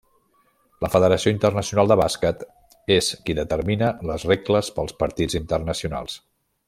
La Federació Internacional de Bàsquet és qui determina les regles pels partits internacionals.